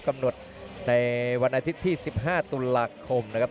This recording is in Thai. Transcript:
กำหนดในวันอาทิตย์ที่๑๕ตุลาคมนะครับ